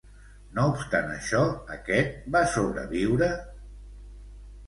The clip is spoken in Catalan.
No obstant això, aquest va sobreviure?